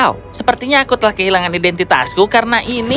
wow sepertinya aku telah kehilangan identitasku karena ini